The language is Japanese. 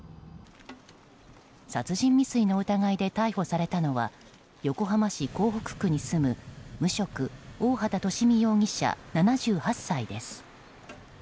殺人未遂の疑いで逮捕されたのは横浜市港北区に住む、無職大畑利美容疑者、７８歳です。